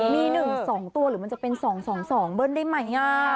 มี๑๒ตัวหรือมันจะเป็น๒๒๒เบิ้ลได้ไหม